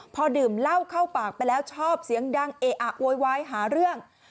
พอดื่มเหล้าเข้าปากไปแล้วชอบเสียงดังเออะโวยวายหาเรื่อง